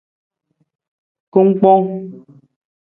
Kungkpong.